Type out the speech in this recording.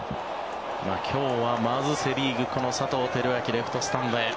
今日はまずセ・リーグこの佐藤輝明レフトスタンドへ。